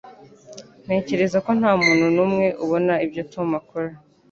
Ntekereza ko ntamuntu numwe ubona ibyo Tom akora.